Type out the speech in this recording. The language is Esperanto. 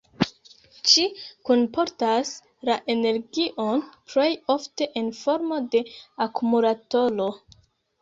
Ĝi kunportas la energion plej ofte en formo de akumulatoro.